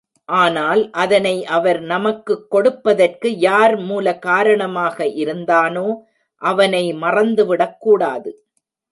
ஆனால் அதனை அவர் நமக்குக் கொடுப்பதற்கு யார் மூல காரணமாக இருந்தானோ அவனை மறந்துவிடக்கூடாது.